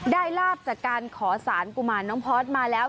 ลาบจากการขอสารกุมารน้องพอร์ตมาแล้ว